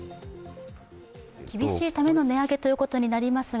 厳しいための値上げということになりますが、